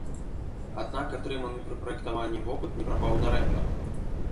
Аднак атрыманы пры праектаванні вопыт не прапаў дарэмна.